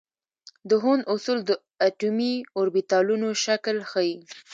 د هوند اصول د اټومي اوربیتالونو شکل ښيي.